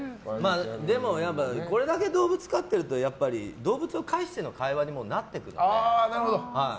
でもこれだけ動物を飼ってるとやっぱり動物を介しての会話になってくるのでね。